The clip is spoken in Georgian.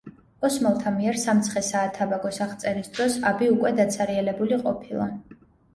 ოსმალთა მიერ სამცხე-საათაბაგოს აღწერის დროს აბი უკვე დაცარიელებული ყოფილა.